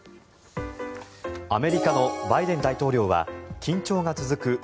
アメリカのバイデン大統領は緊張が続く